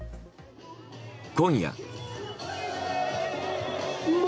今夜。